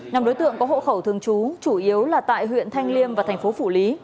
nằm đối tượng có hộ khẩu thường trú chủ yếu là tại huyện thanh liêm và thành phố phủ lý